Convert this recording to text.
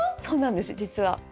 そうなんです実は。